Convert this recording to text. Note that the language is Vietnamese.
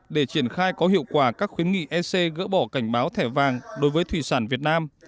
để triển khai có hiệu quả các khuyến nghị ec gỡ bỏ cảnh báo thẻ vàng đối với thủy sản việt nam